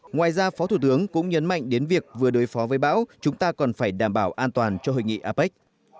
ngoài ra phó thủ tướng cũng nhấn mạnh đến việc vừa đối phó với bão chúng ta còn phải đảm bảo an toàn cho hội nghị apec